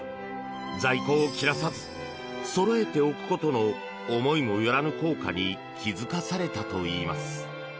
在庫を切らさずそろえておくことの思いも寄らぬ効果に気付かされたといいます。